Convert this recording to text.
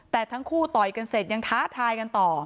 แต่ทั้งคู่ต่อยกันเสร็จยังท้าทายกันต่อ